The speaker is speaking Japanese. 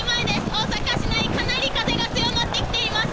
大阪市内、かなり風が強まってきています。